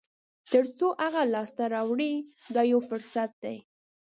تر څو هغه لاسته راوړئ دا یو فرصت دی.